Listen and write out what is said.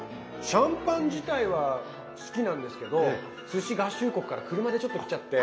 シャンパン自体は好きなんですけどすし合衆国から車でちょっと来ちゃって。